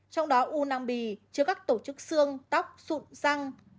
trong đó u năm bì chứa các tổ chức xương tóc sụn răng